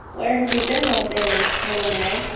'Where have you been all day, little Meg?'